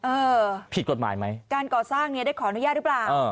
เออผิดกฎหมายไหมการก่อสร้างเนี่ยได้ขออนุญาตหรือเปล่า